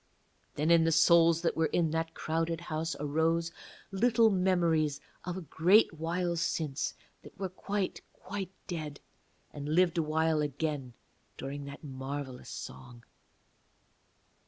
Then in the souls that were in that crowded house arose little memories of a great while since that were quite quite dead, and lived awhile again during that marvellous song.